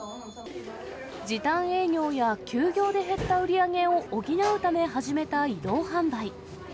時短営業や休業で減った売り上げを補うため始めた移動販売。